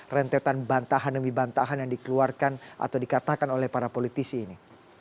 rentetan bantahan demi bantahan yang dikeluarkan atau dikatakan oleh para politisi ini